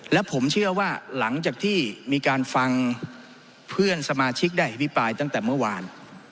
และผมเชื่อว่าหลังจากที่มีการฟังเพื่อนสมาชิกได้อภิปรายตั้งแต่เมื่อวาน